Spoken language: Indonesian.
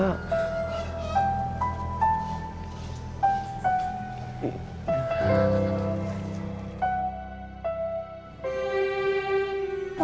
tidak tidak tidak